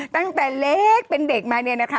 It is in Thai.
ตั้งแต่เล็กเป็นเด็กมาเนี่ยนะคะ